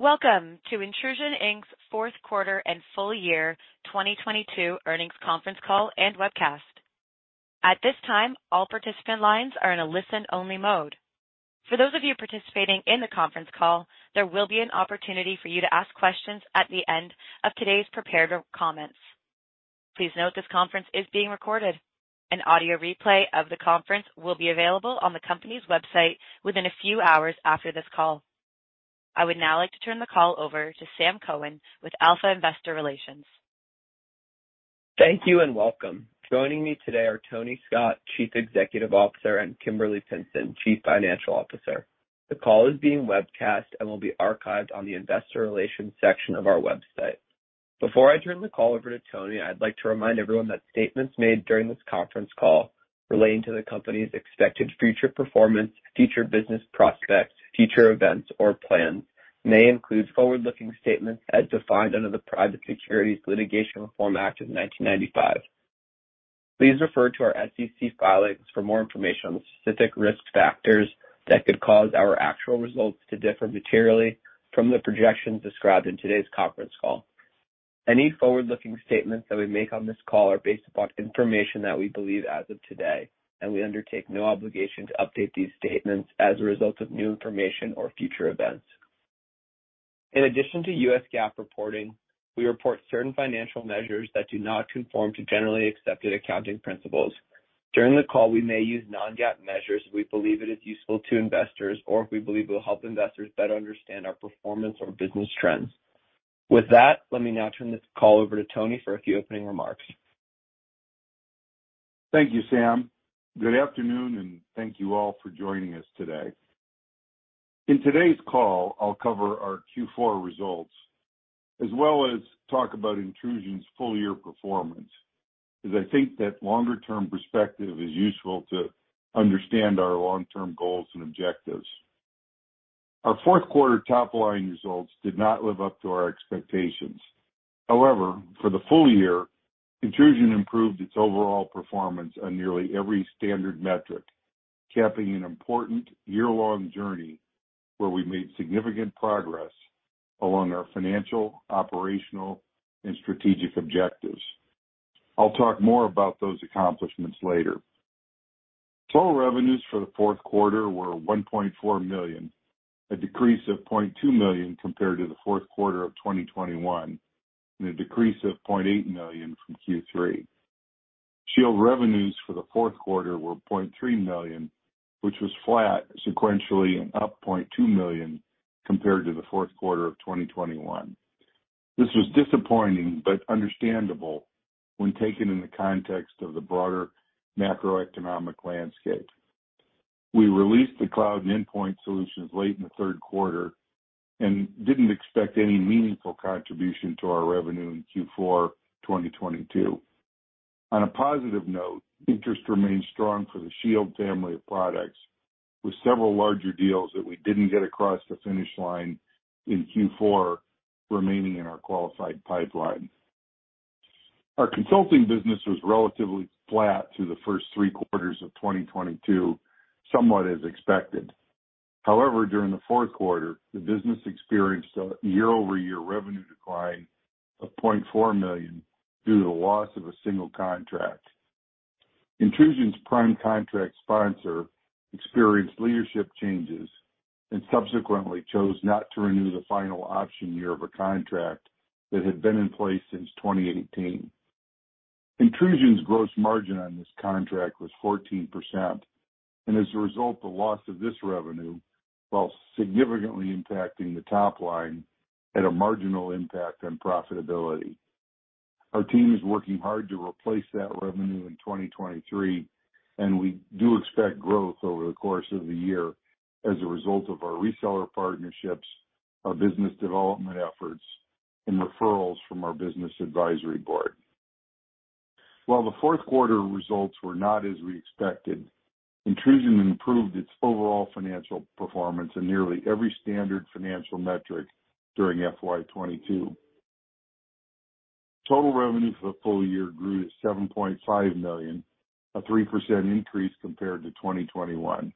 Welcome to Intrusion Inc.'s fourth quarter and full year 2022 earnings conference call and webcast. At this time, all participant lines are in a listen-only mode. For those of you participating in the conference call, there will be an opportunity for you to ask questions at the end of today's prepared comments. Please note this conference is being recorded. An audio replay of the conference will be available on the company's website within a few hours after this call. I would now like to turn the call over to Sam Cohen with Alpha Investor Relations. Thank you, and welcome. Joining me today are Tony Scott, Chief Executive Officer, and Kimberly Pinson, Chief Financial Officer. The call is being webcast and will be archived on the investor relations section of our website. Before I turn the call over to Tony, I'd like to remind everyone that statements made during this conference call relating to the company's expected future performance, future business prospects, future events or plans may include forward-looking statements as defined under the Private Securities Litigation Reform Act of 1995. Please refer to our SEC filings for more information on the specific risk factors that could cause our actual results to differ materially from the projections described in today's conference call. Any forward-looking statements that we make on this call are based upon information that we believe as of today, and we undertake no obligation to update these statements as a result of new information or future events. In addition to U.S. GAAP reporting, we report certain financial measures that do not conform to generally accepted accounting principles. During the call, we may use Non-GAAP measures if we believe it is useful to investors or if we believe it will help investors better understand our performance or business trends. With that, let me now turn this call over to Tony for a few opening remarks. Thank you, Sam. Good afternoon and thank you all for joining us today. In today's call, I'll cover our Q4 results as well as talk about Intrusion's full-year performance, as I think that longer term perspective is useful to understand our long-term goals and objectives. Our fourth quarter top-line results did not live up to our expectations. However, for the full year, Intrusion improved its overall performance on nearly every standard metric, capping an important year-long journey where we made significant progress along our financial, operational, and strategic objectives. I'll talk more about those accomplishments later. Total revenues for the fourth quarter were $1.4 million, a decrease of $0.2 million compared to the fourth quarter of 2021, and a decrease of $0.8 million from Q3. Shield revenues for the fourth quarter were $0.3 million, which was flat sequentially and up $0.2 million compared to the fourth quarter of 2021. This was disappointing but understandable when taken in the context of the broader macroeconomic landscape. We released the cloud and endpoint solutions late in the third quarter and didn't expect any meaningful contribution to our revenue in Q4 2022. Interest remains strong for the Shield family of products, with several larger deals that we didn't get across the finish line in Q4 remaining in our qualified pipeline. Our consulting business was relatively flat through the first three quarters of 2022, somewhat as expected. During the fourth quarter, the business experienced a year-over-year revenue decline of $0.4 million due to the loss of a single contract. Intrusion's prime contract sponsor experienced leadership changes and subsequently chose not to renew the final option year of a contract that had been in place since 2018. Intrusion's gross margin on this contract was 14%, as a result, the loss of this revenue, while significantly impacting the top line, had a marginal impact on profitability. Our team is working hard to replace that revenue in 2023, we do expect growth over the course of the year as a result of our reseller partnerships, our business development efforts, and referrals from our business advisory board. While the fourth quarter results were not as we expected, Intrusion improved its overall financial performance in nearly every standard financial metric during FY 2022. Total revenue for the full year grew to $7.5 million, a 3% increase compared to 2021.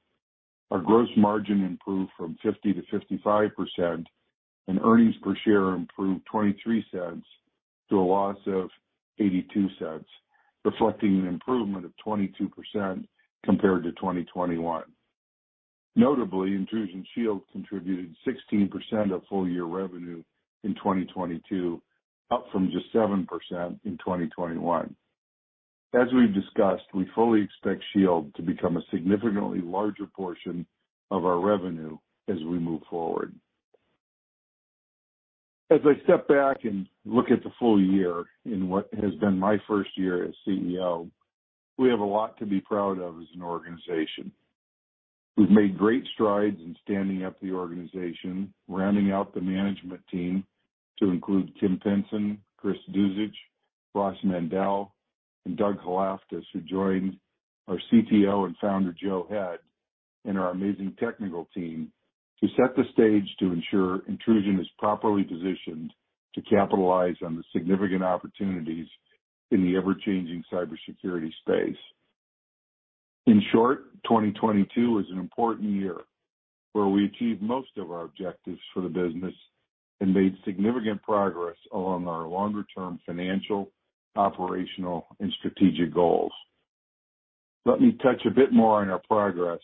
Our gross margin improved from 50% to 55%, and earnings per share improved $0.23 to a loss of $0.82, reflecting an improvement of 22% compared to 2021. Notably, Intrusion Shield contributed 16% of full-year revenue in 2022, up from just 7% in 2021. As we've discussed, we fully expect Shield to become a significantly larger portion of our revenue as we move forward. As I step back and look at the full year in what has been my first year as CEO, we have a lot to be proud of as an organization. We've made great strides in standing up the organization, rounding out the management team to include Kim Pinson, Chris Ducic, Ross Mandell, and Doug Halafas, who joined our CTO and founder, Joe Head, and our amazing technical team to set the stage to ensure Intrusion is properly positioned to capitalize on the significant opportunities in the ever-changing cybersecurity space. In short, 2022 was an important year where we achieved most of our objectives for the business and made significant progress along our longer-term financial, operational, and strategic goals. Let me touch a bit more on our progress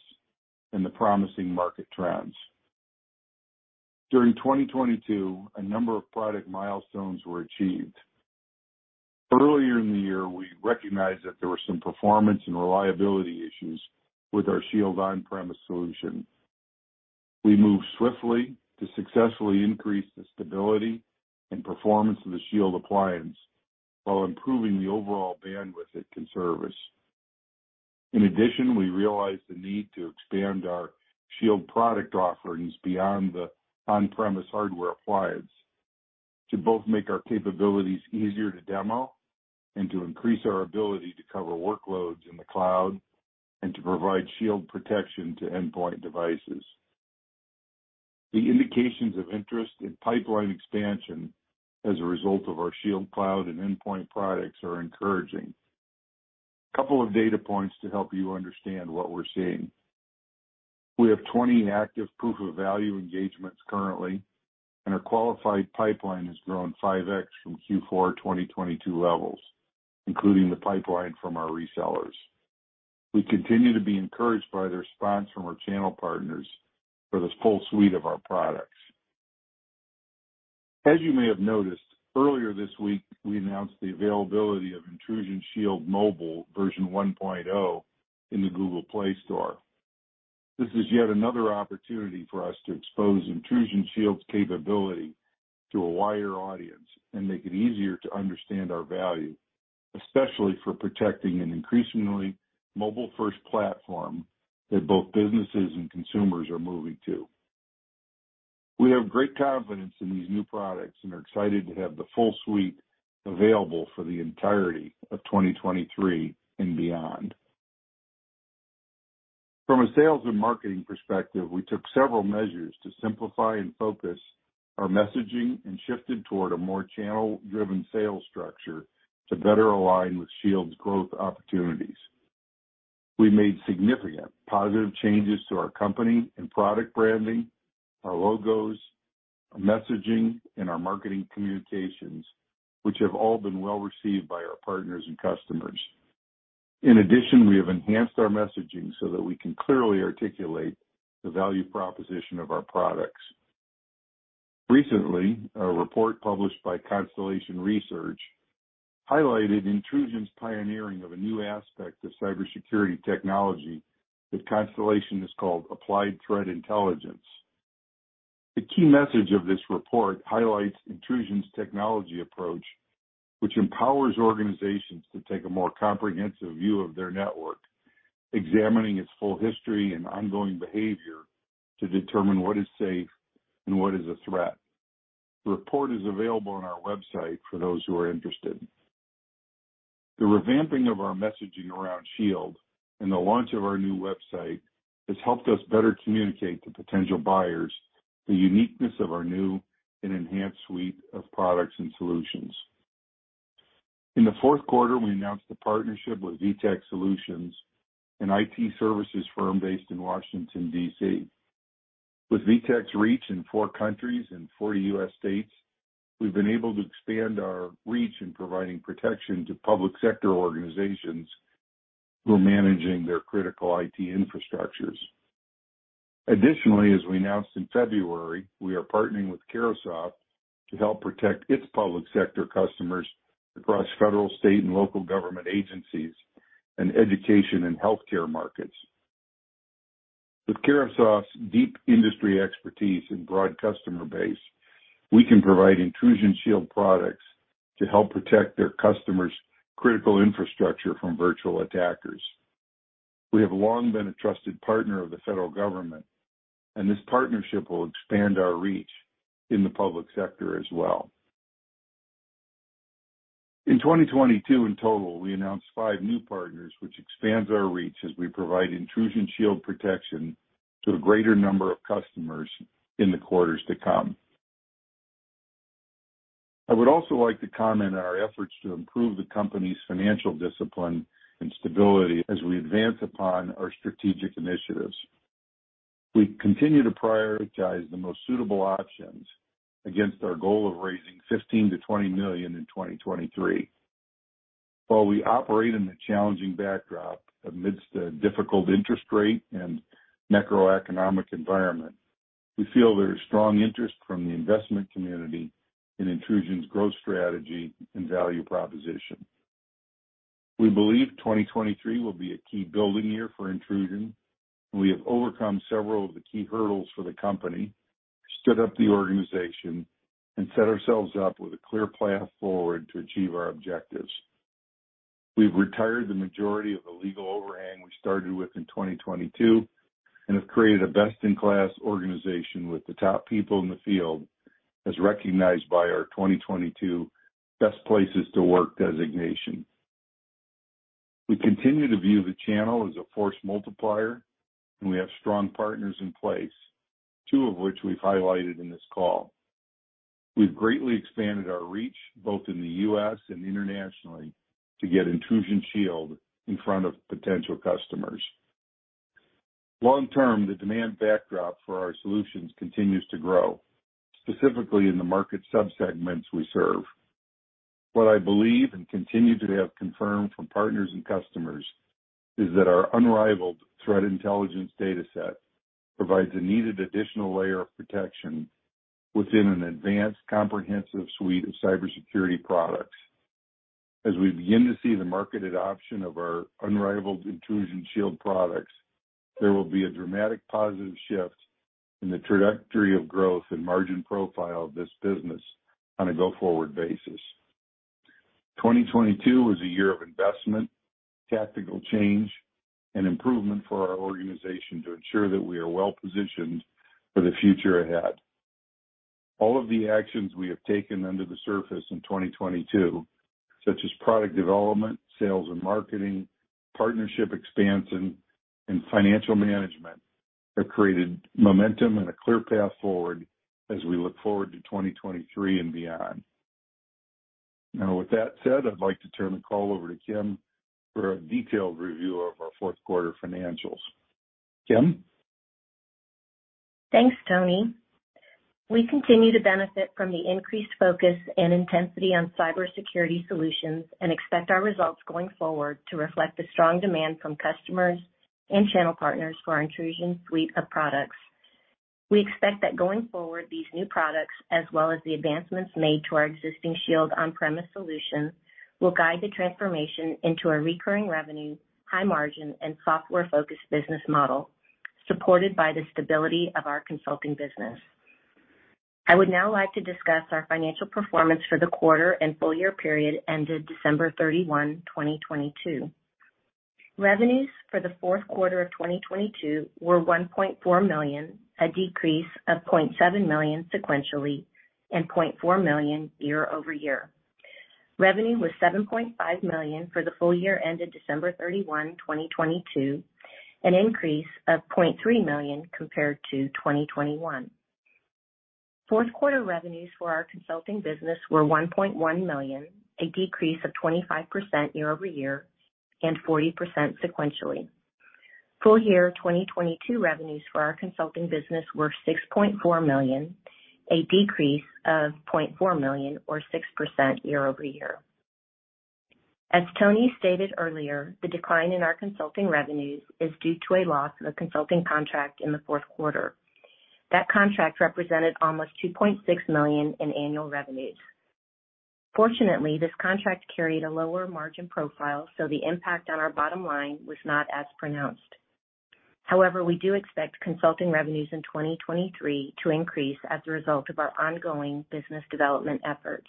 and the promising market trends. During 2022, a number of product milestones were achieved. Earlier in the year, we recognized that there were some performance and reliability issues with our Shield on-premise solution. We moved swiftly to successfully increase the stability and performance of the Shield appliance while improving the overall bandwidth it can service. We realized the need to expand our Shield product offerings beyond the on-premise hardware appliance to both make our capabilities easier to demo, and to increase our ability to cover workloads in the cloud, and to provide Shield protection to endpoint devices. The indications of interest in pipeline expansion as a result of our Shield cloud and endpoint products are encouraging. A couple of data points to help you understand what we're seeing. We have 20 active proof-of-value engagements currently, and our qualified pipeline has grown 5x from Q4 2022 levels, including the pipeline from our resellers. We continue to be encouraged by the response from our channel partners for this full suite of our products. As you may have noticed, earlier this week we announced the availability of Intrusion Shield Mobile version 1.0 in the Google Play Store. This is yet another opportunity for us to expose Intrusion Shield's capability to a wider audience and make it easier to understand our value, especially for protecting an increasingly mobile-first platform that both businesses and consumers are moving to. We have great confidence in these new products and are excited to have the full suite available for the entirety of 2023 and beyond. From a sales and marketing perspective, we took several measures to simplify and focus our messaging and shifted toward a more channel-driven sales structure to better align with Shield's growth opportunities. We made significant positive changes to our company and product branding, our logos, our messaging, and our marketing communications, which have all been well received by our partners and customers. In addition, we have enhanced our messaging so that we can clearly articulate the value proposition of our products. Recently, a report published by Constellation Research highlighted Intrusion's pioneering of a new aspect of cybersecurity technology that Constellation has called Applied Threat Intelligence. The key message of this report highlights Intrusion's technology approach, which empowers organizations to take a more comprehensive view of their network, examining its full history and ongoing behavior to determine what is safe and what is a threat. The report is available on our website for those who are interested. The revamping of our messaging around Shield and the launch of our new website has helped us better communicate to potential buyers the uniqueness of our new and enhanced suite of products and solutions. In the fourth quarter, we announced a partnership with VTech Solutions, an IT services firm based in Washington, D.C. With VTech's reach in 4 countries and 40 U.S. states, we've been able to expand our reach in providing protection to public sector organizations who are managing their critical IT infrastructures. Additionally, as we announced in February, we are partnering with Carahsoft to help protect its public sector customers across federal, state, and local government agencies and education and healthcare markets. With Carahsoft's deep industry expertise and broad customer base, we can provide Intrusion Shield products to help protect their customers' critical infrastructure from virtual attackers. We have long been a trusted partner of the federal government, and this partnership will expand our reach in the public sector as well. In 2022 in total, we announced 5 new partners, which expands our reach as we provide Intrusion Shield protection to a greater number of customers in the quarters to come. I would also like to comment on our efforts to improve the company's financial discipline and stability as we advance upon our strategic initiatives. We continue to prioritize the most suitable options against our goal of raising $15 million-$20 million in 2023. While we operate in the challenging backdrop amidst a difficult interest rate and macroeconomic environment, we feel there is strong interest from the investment community in Intrusion's growth strategy and value proposition. We believe 2023 will be a key building year for Intrusion, and we have overcome several of the key hurdles for the company, stood up the organization, and set ourselves up with a clear path forward to achieve our objectives. We've retired the majority of the legal overhang we started with in 2022 and have created a best-in-class organization with the top people in the field, as recognized by our 2022 Best Places to Work designation. We continue to view the channel as a force multiplier, and we have strong partners in place, two of which we've highlighted in this call. We've greatly expanded our reach both in the U.S. and internationally to get Intrusion Shield in front of potential customers. Long term, the demand backdrop for our solutions continues to grow, specifically in the market sub-segments we serve. What I believe and continue to have confirmed from partners and customers is that our unrivaled threat intelligence dataset provides a needed additional layer of protection within an advanced, comprehensive suite of cybersecurity products. As we begin to see the marketed option of our unrivaled Intrusion Shield products, there will be a dramatic positive shift in the trajectory of growth and margin profile of this business on a go-forward basis. 2022 was a year of investment, tactical change, and improvement for our organization to ensure that we are well-positioned for the future ahead. All of the actions we have taken under the surface in 2022, such as product development, sales and marketing, partnership expansion, and financial management, have created momentum and a clear path forward as we look forward to 2023 and beyond. With that said, I'd like to turn the call over to Kim for a detailed review of our fourth quarter financials. Kim. Thanks, Tony. We continue to benefit from the increased focus and intensity on cybersecurity solutions and expect our results going forward to reflect the strong demand from customers and channel partners for our Intrusion suite of products. We expect that going forward, these new products as well as the advancements made to our existing Shield on-premise solution, will guide the transformation into a recurring revenue, high margin, and software-focused business model, supported by the stability of our consulting business. I would now like to discuss our financial performance for the quarter and full year period ended December 31, 2022. Revenues for the fourth quarter of 2022 were $1.4 million, a decrease of $0.7 million sequentially, and $0.4 million year-over-year. Revenue was $7.5 million for the full year ended December 31, 2022, an increase of $0.3 million compared to 2021. Fourth quarter revenues for our consulting business were $1.1 million, a decrease of 25% year-over-year, and 40% sequentially. Full year 2022 revenues for our consulting business were $6.4 million, a decrease of $0.4 million or 6% year-over-year. As Tony stated earlier, the decline in our consulting revenues is due to a loss of a consulting contract in the fourth quarter. That contract represented almost $2.6 million in annual revenues. Fortunately, this contract carried a lower margin profile, so the impact on our bottom line was not as pronounced. However, we do expect consulting revenues in 2023 to increase as a result of our ongoing business development efforts.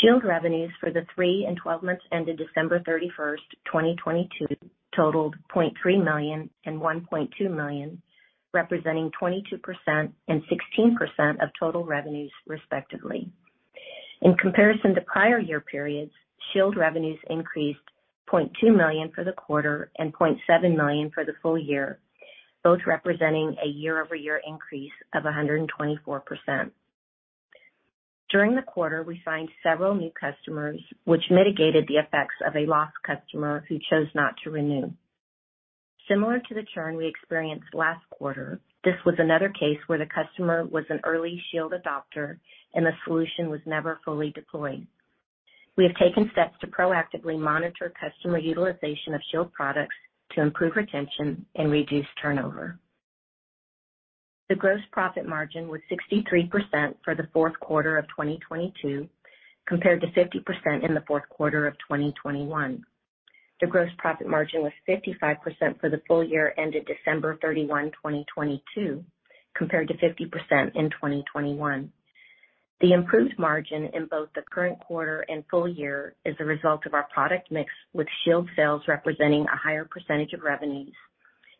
Shield revenues for the 3 and 12 months ended December 31st, 2022 totaled $0.3 million and $1.2 million, representing 22% and 16% of total revenues, respectively. In comparison to prior year periods, Shield revenues increased $0.2 million for the quarter and $0.7 million for the full year, both representing a year-over-year increase of 124%. During the quarter, we signed several new customers, which mitigated the effects of a lost customer who chose not to renew. Similar to the churn we experienced last quarter, this was another case where the customer was an early Shield adopter and the solution was never fully deployed. We have taken steps to proactively monitor customer utilization of Shield products to improve retention and reduce turnover. The gross profit margin was 63% for the fourth quarter of 2022, compared to 50% in the fourth quarter of 2021. The gross profit margin was 55% for the full year ended December 31, 2022, compared to 50% in 2021. The improved margin in both the current quarter and full year is a result of our product mix, with Shield sales representing a higher percentage of revenues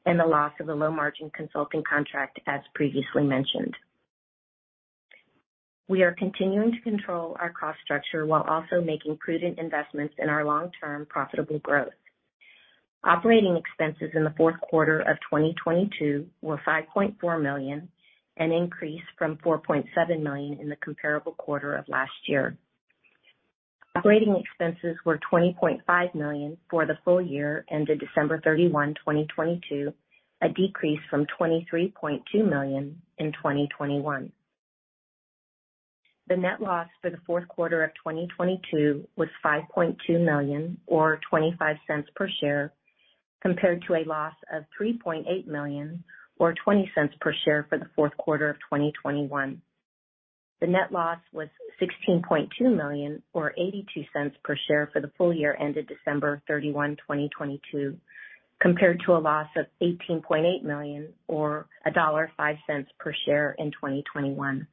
and the loss of a low-margin consulting contract, as previously mentioned. We are continuing to control our cost structure while also making prudent investments in our long-term profitable growth. Operating expenses in the fourth quarter of 2022 were $5.4 million, an increase from $4.7 million in the comparable quarter of last year. Operating expenses were $20.5 million for the full year ended December 31, 2022, a decrease from $23.2 million in 2021. The net loss for the fourth quarter of 2022 was $5.2 million or $0.25 per share, compared to a loss of $3.8 million or $0.20 per share for the fourth quarter of 2021. The net loss was $16.2 million or $0.82 per share for the full year ended December 31, 2022, compared to a loss of $18.8 million or $1.05 per share in 2021.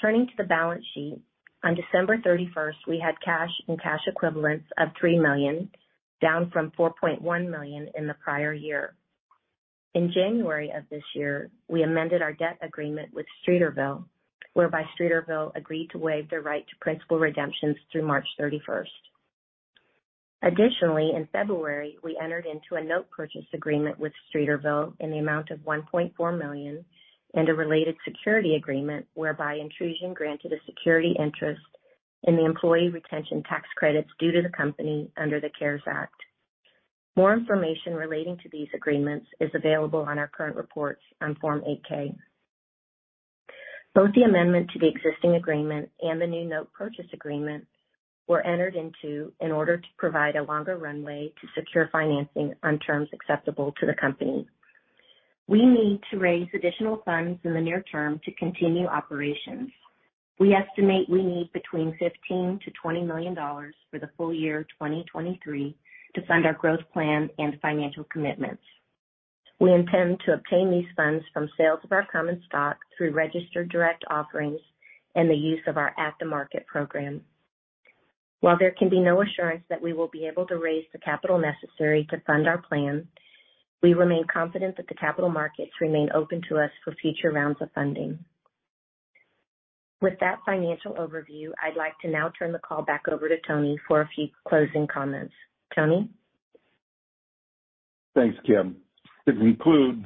Turning to the balance sheet, on December 31, we had cash and cash equivalents of $3 million, down from $4.1 million in the prior year. In January of this year, we amended our debt agreement with Streeterville, whereby Streeterville agreed to waive the right to principal redemptions through March 31st. In February, we entered into a note purchase agreement with Streeterville in the amount of $1.4 million and a related security agreement whereby Intrusion granted a security interest in the Employee Retention tax credits due to the company under the CARES Act. More information relating to these agreements is available on our current reports on Form 8-K. Both the amendment to the existing agreement and the new note purchase agreement were entered into in order to provide a longer runway to secure financing on terms acceptable to the company. We need to raise additional funds in the near term to continue operations. We estimate we need between $15 million-$20 million for the full year 2023 to fund our growth plan and financial commitments. We intend to obtain these funds from sales of our common stock through registered direct offerings and the use of our at-the-market program. While there can be no assurance that we will be able to raise the capital necessary to fund our plan, we remain confident that the capital markets remain open to us for future rounds of funding. With that financial overview, I'd like to now turn the call back over to Tony for a few closing comments. Tony? Thanks, Kim. To conclude,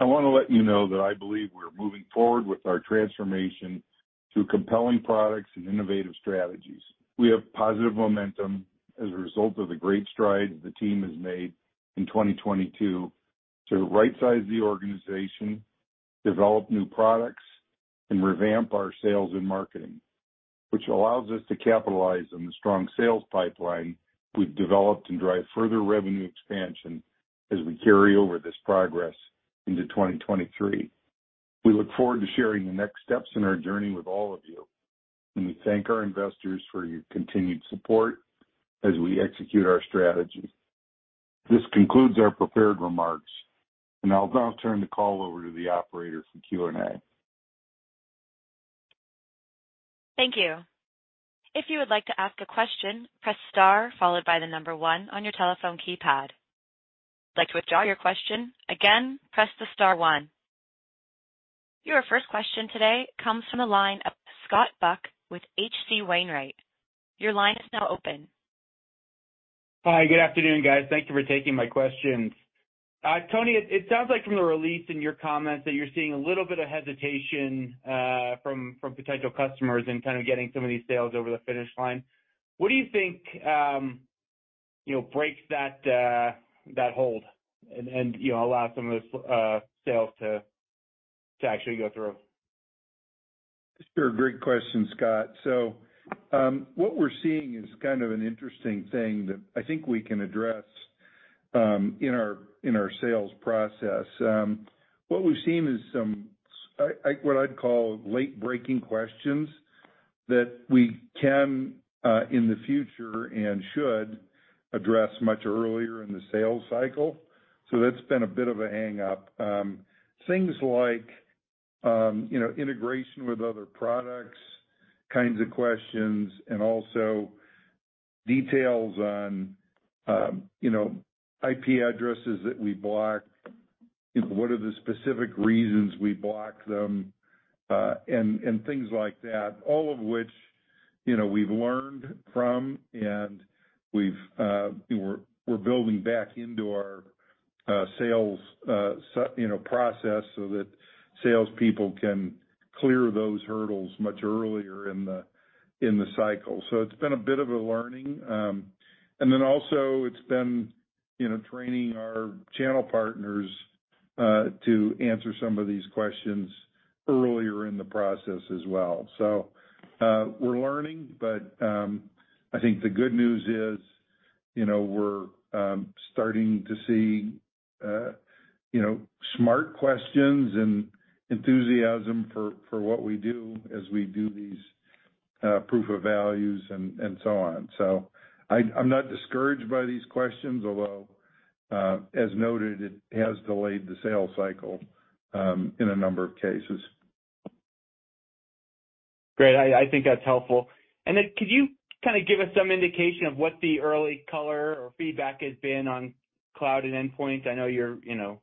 I want to let you know that I believe we're moving forward with our transformation through compelling products and innovative strategies. We have positive momentum as a result of the great strides the team has made in 2022 to right-size the organization, develop new products, and revamp our sales and marketing, which allows us to capitalize on the strong sales pipeline we've developed and drive further revenue expansion as we carry over this progress into 2023. We look forward to sharing the next steps in our journey with all of you, and we thank our investors for your continued support as we execute our strategy. This concludes our prepared remarks, and I'll now turn the call over to the operator for Q&A. Thank you. If you would like to ask a question, press star followed by one on your telephone keypad. If you'd like to withdraw your question, again, press the star one. Your first question today comes from the line of Scott Buck with H.C. Wainwright. Your line is now open. Hi. Good afternoon, guys. Thank you for taking my questions. Tony, it sounds like from the release in your comments that you're seeing a little bit of hesitation from potential customers in kind of getting some of these sales over the finish line. What do you think, you know, breaks that hold and, you know, allow some of those sales to actually go through? Sure. Great question, Scott. What we're seeing is kind of an interesting thing that I think we can address in our sales process. What we've seen is some what I'd call late-breaking questions that we can in the future, and should address much earlier in the sales cycle. That's been a bit of a hang-up. Things like, you know, integration with other products kinds of questions, and also details on, you know, IP addresses that we block, what are the specific reasons we block them, and things like that, all of which, you know, we've learned from and we've, we're building back into our sales you know, process so that salespeople can clear those hurdles much earlier in the cycle. It's been a bit of a learning. Then also it's been, you know, training our channel partners to answer some of these questions earlier in the process as well. We're learning, but, I think the good news is, you know, we're starting to see, you know, smart questions and enthusiasm for what we do as we do these proof of value and so on. I'm not discouraged by these questions, although, as noted, it has delayed the sales cycle in a number of cases. Great. I think that's helpful. Then could you kinda give us some indication of what the early color or feedback has been on cloud and endpoint? I know you're, you know,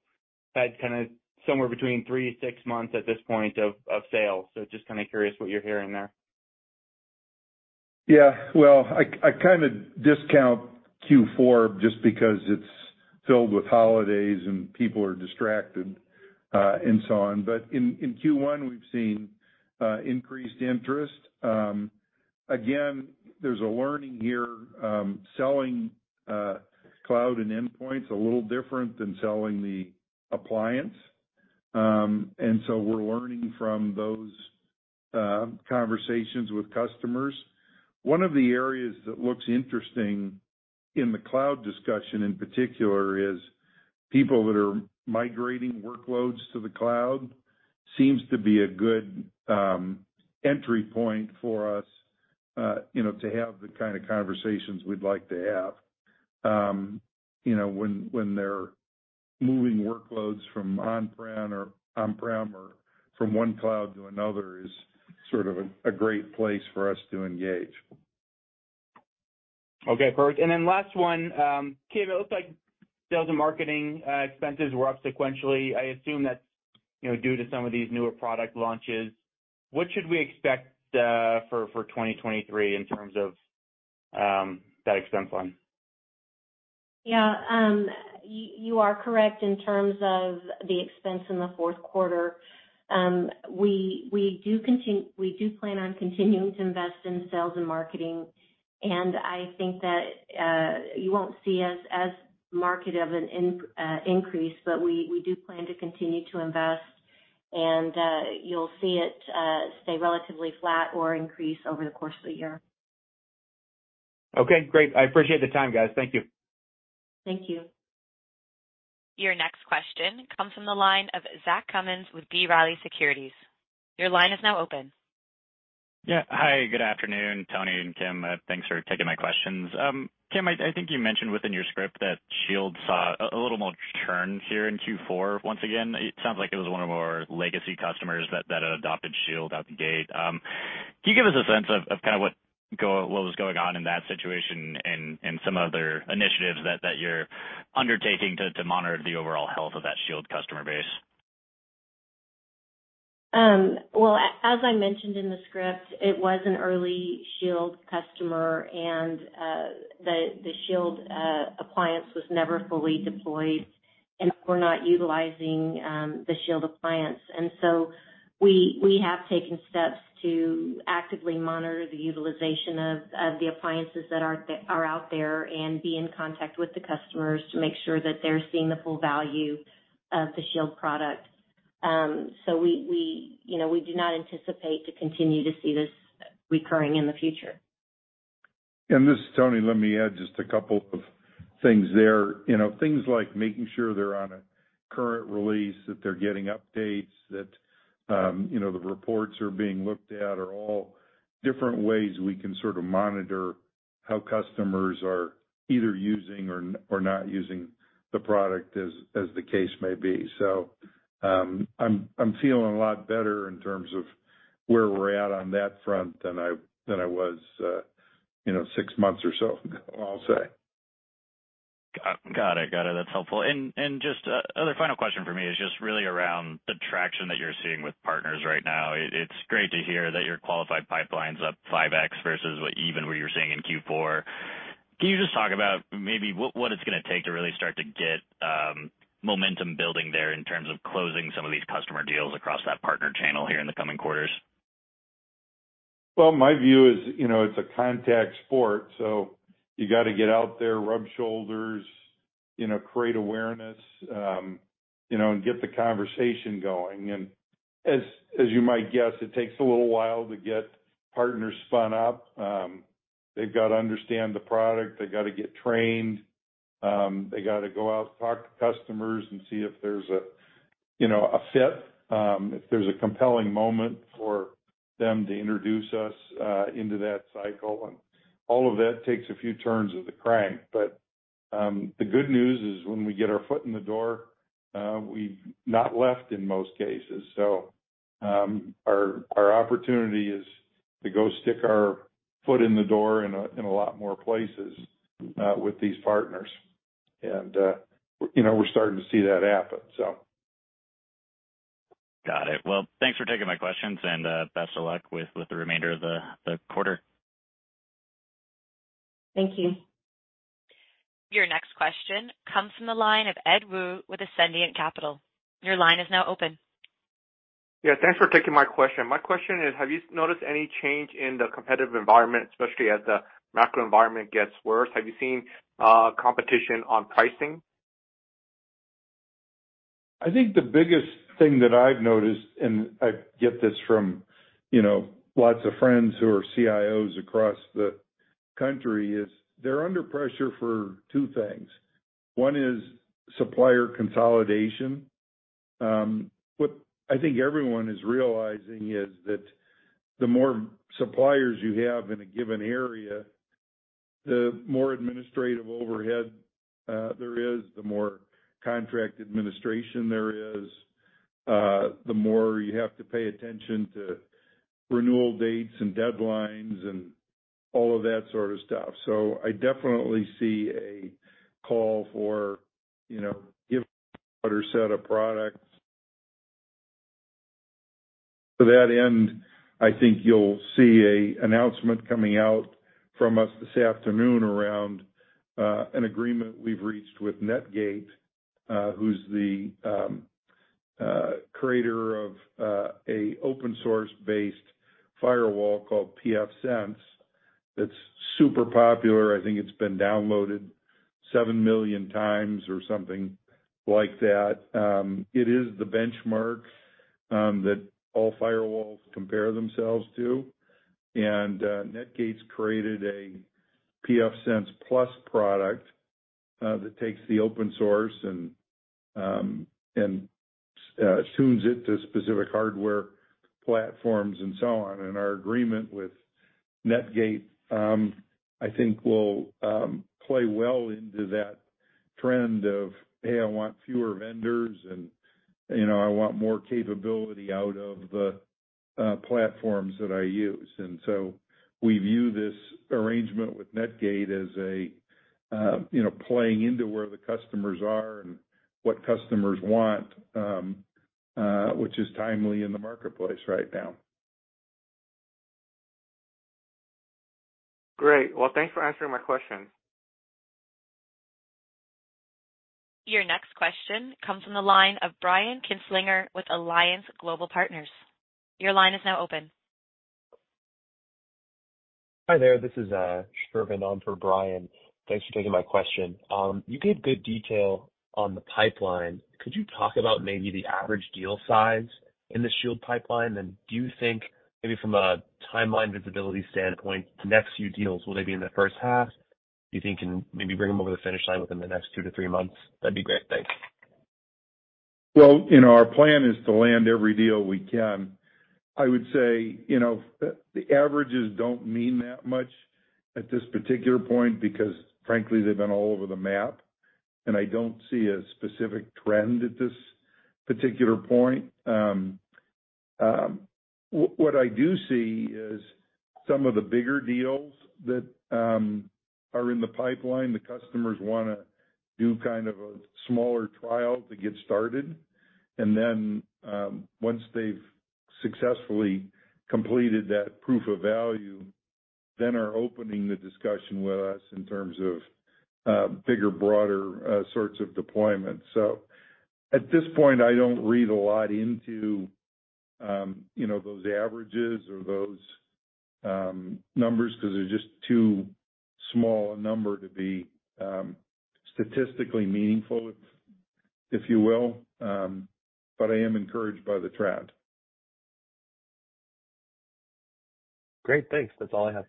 that's kinda somewhere between 3-6 months at this point of sales, so just kinda curious what you're hearing there. Yeah. Well, I kinda discount Q4 just because it's filled with holidays and people are distracted, and so on. In Q1 we've seen increased interest. Again, there's a learning here, selling cloud and endpoint's a little different than selling the appliance. We're learning from those conversations with customers. One of the areas that looks interesting in the cloud discussion in particular is people that are migrating workloads to the cloud seems to be a good entry point for us, you know, to have the kind of conversations we'd like to have. You know, when they're moving workloads from on-prem or from one cloud to another is sort of a great place for us to engage. Okay. Perfect. Last one. Kim, it looks like sales and marketing expenses were up sequentially. I assume that's, you know, due to some of these newer product launches. What should we expect for 2023 in terms of that expense line? Yeah. you are correct in terms of the expense in the fourth quarter. we do plan on continuing to invest in sales and marketing. I think that, you won't see as marked of an increase, we do plan to continue to invest and, you'll see it stay relatively flat or increase over the course of the year. Okay, great. I appreciate the time, guys. Thank you. Thank you. Your next question comes from the line of Zach Cummins with B. Riley Securities. Your line is now open. Hi, good afternoon, Tony and Kim. Thanks for taking my questions. Kim, I think you mentioned within your script that Shield saw a little more churn here in Q4. Once again, it sounds like it was one of our legacy customers that adopted Shield out the gate. Can you give us a sense of kind of what was going on in that situation and some other initiatives that you're undertaking to monitor the overall health of that Shield customer base? Well, as I mentioned in the script, it was an early Shield customer and the Shield appliance was never fully deployed, and we're not utilizing the Shield appliance. We have taken steps to actively monitor the utilization of the appliances that are out there and be in contact with the customers to make sure that they're seeing the full value of the Shield product. We, you know, we do not anticipate to continue to see this recurring in the future. This is Tony. Let me add just a couple of things there. You know, things like making sure they're on a current release, that they're getting updates, that, you know, the reports are being looked at are all different ways we can sort of monitor how customers are either using or not using the product, as the case may be. I'm feeling a lot better in terms of where we're at on that front than I was, you know, six months or so ago, I'll say. Got it. That's helpful. Just, other final question for me is just really around the traction that you're seeing with partners right now. It's great to hear that your qualified pipeline's up 5x versus what even what you're seeing in Q4. Can you just talk about maybe what it's gonna take to really start to get momentum building there in terms of closing some of these customer deals across that partner channel here in the coming quarters? Well, my view is, you know, it's a contact sport, so you gotta get out there, rub shoulders, you know, create awareness, you know, and get the conversation going. As you might guess, it takes a little while to get partners spun up. They've got to understand the product. They've got to get trained. They gotta go out, talk to customers and see if there's a, you know, a fit, if there's a compelling moment for them to introduce us into that cycle. All of that takes a few turns of the crank. The good news is, when we get our foot in the door, we've not left in most cases. Our opportunity is to go stick our foot in the door in a, in a lot more places with these partners. You know, we're starting to see that happen. Got it. Thanks for taking my questions, and best of luck with the remainder of the quarter. Thank you. Your next question comes from the line of Ed Woo with Ascendiant Capital. Your line is now open. Thanks for taking my question. My question is, have you noticed any change in the competitive environment, especially as the macro environment gets worse? Have you seen competition on pricing? I think the biggest thing that I've noticed, and I get this from, you know, lots of friends who are CIOs across the country, is they're under pressure for two things. one is supplier consolidation. What I think everyone is realizing is that the more suppliers you have in a given area, the more administrative overhead there is, the more contract administration there is, the more you have to pay attention to renewal dates and deadlines and all of that sort of stuff. I definitely see a call for, you know, give better set of products. To that end, I think you'll see an announcement coming out from us this afternoon around an agreement we've reached with Netgate, who's the creator of a open source-based firewall called pfSense that's super popular. I think it's been downloaded 7 million times or something like that. It is the benchmark that all firewalls compare themselves to. Netgate's created a pfSense Plus product that takes the open source and tunes it to specific hardware platforms and so on. Our agreement with Netgate, I think will play well into that trend of, hey, I want fewer vendors and, you know, I want more capability out of the platforms that I use. We view this arrangement with Netgate as, you know, playing into where the customers are and what customers want, which is timely in the marketplace right now. Great. Well, thanks for answering my question. Your next question comes from the line of Brian Kinstlinger with Alliance Global Partners. Your line is now open. Hi there. This is Sherman on for Brian. Thanks for taking my question. You gave good detail on the pipeline. Could you talk about maybe the average deal size in the Shield pipeline? Do you think maybe from a timeline visibility standpoint, the next few deals, will they be in the first half? Do you think you can maybe bring them over the finish line within the next 2-3 months? That'd be great. Thanks. Well, you know, our plan is to land every deal we can. I would say, you know, the averages don't mean that much at this particular point because frankly, they've been all over the map, and I don't see a specific trend at this particular point. What I do see is some of the bigger deals that are in the pipeline, the customers wanna do kind of a smaller trial to get started. Once they've successfully completed that proof of value, then are opening the discussion with us in terms of bigger, broader sorts of deployments. At this point, I don't read a lot into, you know, those averages or those numbers 'cause they're just too small a number to be statistically meaningful, if you will. I am encouraged by the trend. Great. Thanks. That's all I have.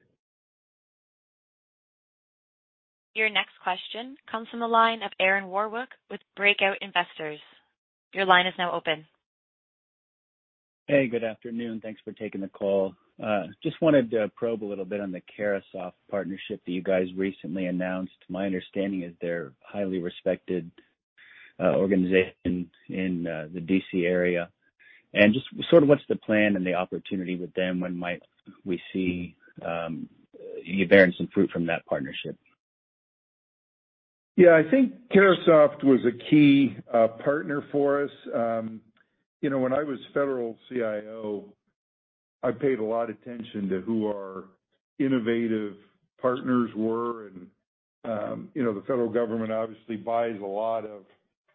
Your next question comes from the line of Aaron Warwick with Breakout Investors. Your line is now open. Hey, good afternoon. Thanks for taking the call. Just wanted to probe a little bit on the Carahsoft partnership that you guys recently announced. My understanding is they're a highly respected, organization in the D.C. area. Just sort of what's the plan and the opportunity with them, when might we see, you bearing some fruit from that partnership? Yeah. I think Carahsoft was a key partner for us. You know, when I was Federal CIO, I paid a lot attention to who our innovative partners were. You know, the federal government obviously buys a lot of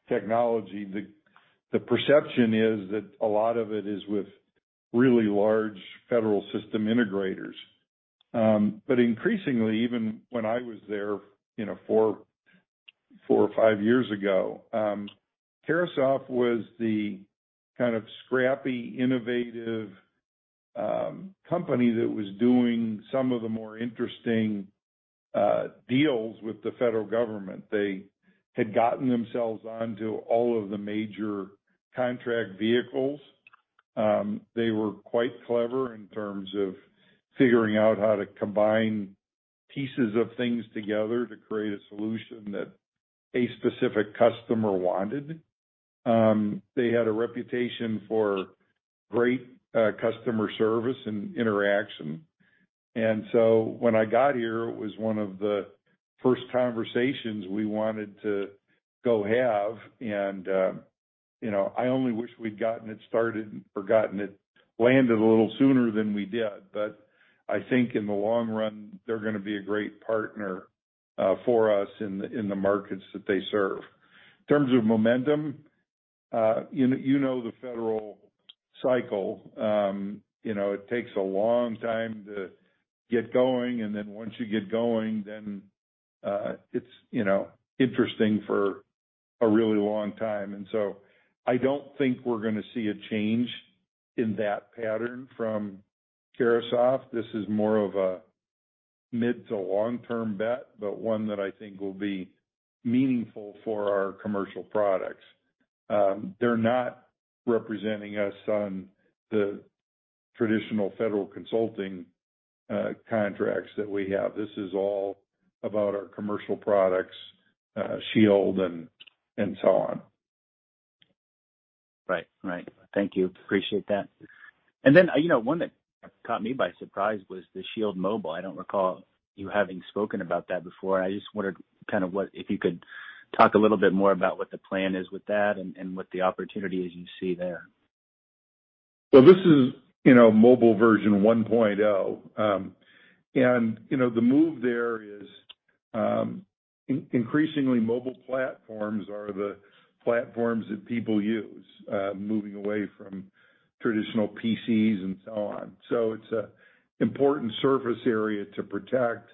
technology. The perception is that a lot of it is with really large federal system integrators. But increasingly, even when I was there, you know, four or five years ago, Carahsoft was the kind of scrappy, innovative company that was doing some of the more interesting deals with the federal government. They had gotten themselves onto all of the major contract vehicles. They were quite clever in terms of figuring out how to combine pieces of things together to create a solution that a specific customer wanted. They had a reputation for great customer service and interaction. When I got here, it was one of the first conversations we wanted to go have. You know, I only wish we'd gotten it started or gotten it landed a little sooner than we did. I think in the long run, they're gonna be a great partner for us in the markets that they serve. You know, you know the federal cycle, you know, it takes a long time to get going, and then once you get going, then, it's, you know, interesting for a really long time. I don't think we're gonna see a change in that pattern from Carahsoft. This is more of a mid to long-term bet, but one that I think will be meaningful for our commercial products. They're not representing us on the traditional federal consulting contracts that we have. This is all about our commercial products, Shield and so on. Right. Right. Thank you. Appreciate that. You know, one that caught me by surprise was the Shield Mobile. I don't recall you having spoken about that before. I just wondered kind of If you could talk a little bit more about what the plan is with that and what the opportunity is you see there? This is, you know, mobile version 1.0. You know, the move there is, increasingly mobile platforms are the platforms that people use, moving away from traditional PCs and so on. It's an important surface area to protect.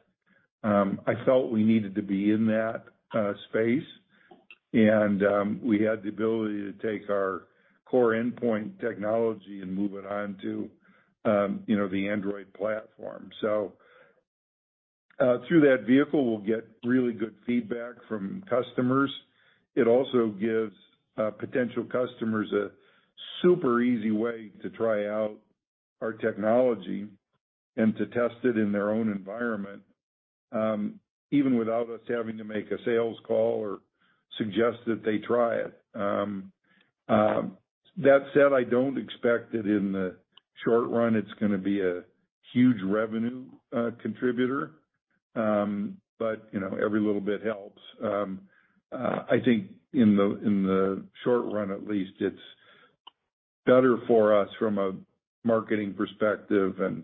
I felt we needed to be in that space. We had the ability to take our core endpoint technology and move it onto, you know, the Android platform. Through that vehicle, we'll get really good feedback from customers. It also gives potential customers a super easy way to try out our technology and to test it in their own environment, even without us having to make a sales call or suggest that they try it. That said, I don't expect that in the short run it's gonna be a huge revenue contributor. You know, every little bit helps. I think in the short run at least, it's better for us from a marketing perspective and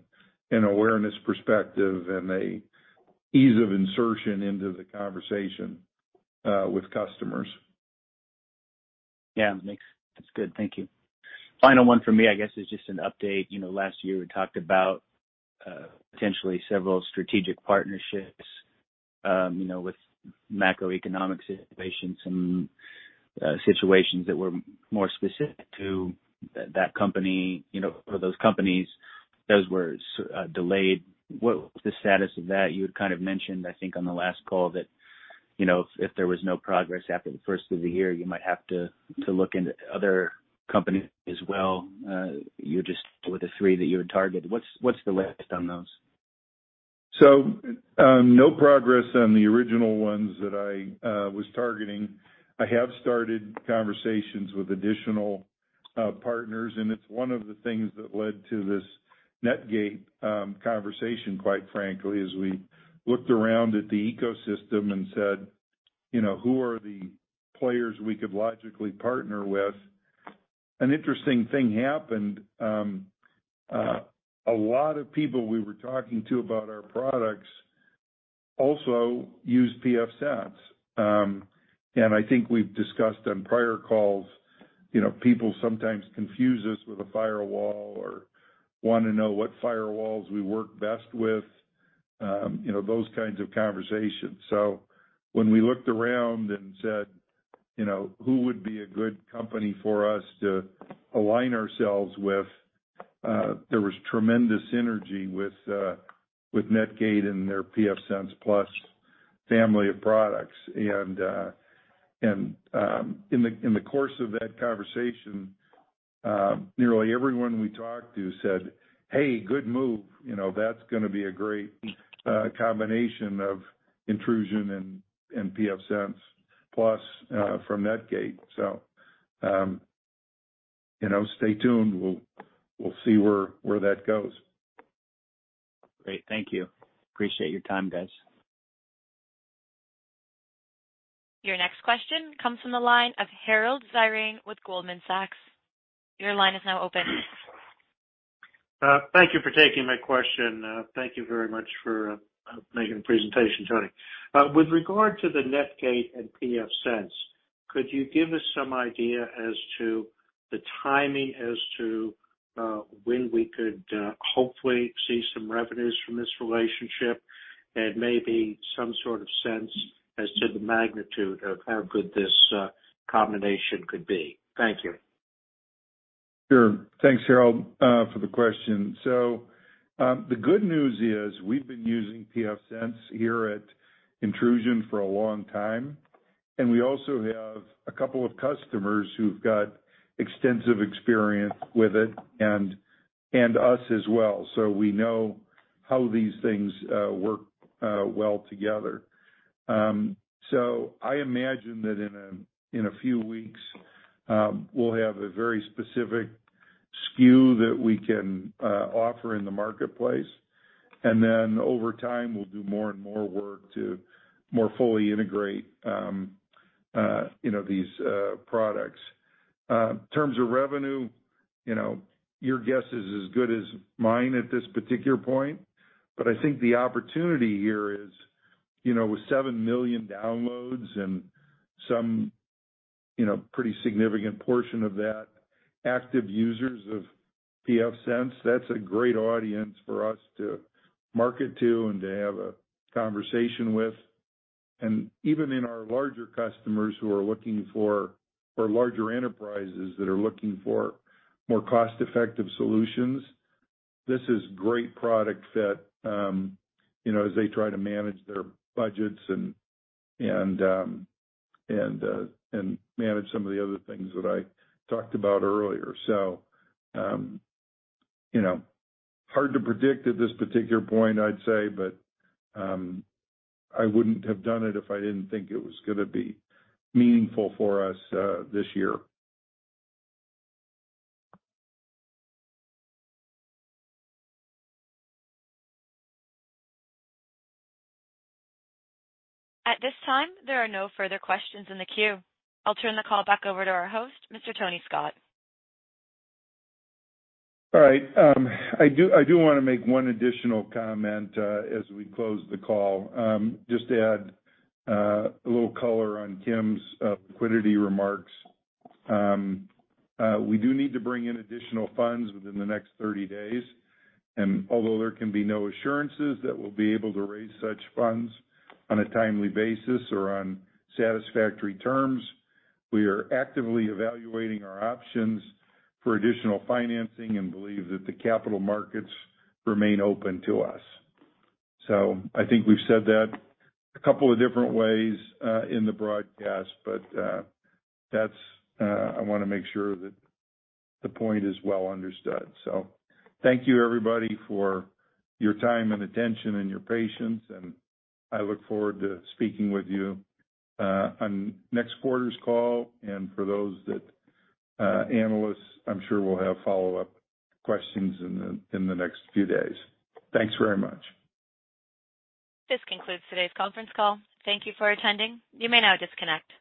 an awareness perspective and a ease of insertion into the conversation, with customers. Yeah, makes... That's good. Thank you. Final one from me, I guess is just an update. You know, last year we talked about, potentially several strategic partnerships, you know, with macroeconomic situations and, situations that were more specific to that company, you know, or those companies. Those were delayed. What was the status of that? You had kind of mentioned, I think on the last call that, you know, if there was no progress after the first of the year, you might have to look into other companies as well. You just with the three that you had targeted. What's the latest on those? No progress on the original ones that I was targeting. I have started conversations with additional partners, and it's one of the things that led to this Netgate conversation, quite frankly, as we looked around at the ecosystem and said, you know, "Who are the players we could logically partner with?" An interesting thing happened. A lot of people we were talking to about our products also use pfSense. I think we've discussed on prior calls, you know, people sometimes confuse us with a firewall or wanna know what firewalls we work best with, you know, those kinds of conversations. When we looked around and said, you know, "Who would be a good company for us to align ourselves with?" There was tremendous synergy with Netgate and their pfSense Plus family of products. In the course of that conversation, nearly everyone we talked to said, "Hey, good move, you know, that's gonna be a great combination of Intrusion and pfSense Plus from Netgate." You know, stay tuned. We'll, we'll see where that goes. Great. Thank you. Appreciate your time, guys. Your next question comes from the line of Harold Zireen with Goldman Sachs. Your line is now open. Thank you for taking my question. Thank you very much for making the presentation, Tony. With regard to the Netgate and pfSense, could you give us some idea as to the timing as to when we could hopefully see some revenues from this relationship and maybe some sort of sense as to the magnitude of how good this combination could be? Thank you. Sure. Thanks, Harold, for the question. The good news is we've been using pfSense here at Intrusion for a long time, and we also have a couple of customers who've got extensive experience with it and us as well, so we know how these things work well together. I imagine that in a few weeks, we'll have a very specific SKU that we can offer in the marketplace. Over time, we'll do more and more work to more fully integrate, you know, these products. In terms of revenue, you know, your guess is as good as mine at this particular point, but I think the opportunity here is, you know, with 7 million downloads and some, you know, pretty significant portion of that active users of pfSense, that's a great audience for us to market to and to have a conversation with. Even in our larger customers who are looking for, or larger enterprises that are looking for more cost-effective solutions, this is great product fit, you know, as they try to manage their budgets and and manage some of the other things that I talked about earlier. You know, hard to predict at this particular point, I'd say. I wouldn't have done it if I didn't think it was gonna be meaningful for us this year. At this time, there are no further questions in the queue. I'll turn the call back over to our host, Mr. Tony Scott. All right. I do wanna make one additional comment as we close the call. Just to add a little color on Kim's liquidity remarks. We do need to bring in additional funds within the next 30 days. Although there can be no assurances that we'll be able to raise such funds on a timely basis or on satisfactory terms, we are actively evaluating our options for additional financing and believe that the capital markets remain open to us. I think we've said that a couple of different ways in the broadcast, that's I wanna make sure that the point is well understood. Thank you everybody for your time and attention and your patience, and I look forward to speaking with you on next quarter's call. For those that, analysts, I'm sure we'll have follow-up questions in the, in the next few days. Thanks very much. This concludes today's conference call. Thank you for attending. You may now disconnect.